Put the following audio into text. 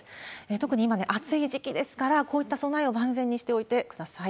特に今、暑い時期ですから、こういった備えを万全にしておいてください。